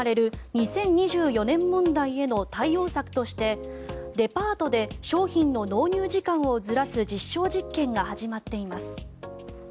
２０２４年問題への対応策としてデパートで商品の納入時間をずらす実証実験が始まっています。